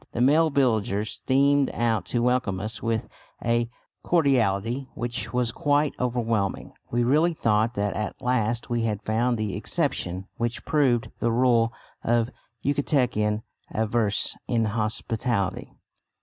The male villagers streamed out to welcome us with a cordiality which was quite overwhelming. We really thought that at last we had found the exception which proved the rule of Yucatecan avarice and inhospitality.